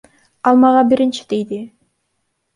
Ал мага биринчи тийди.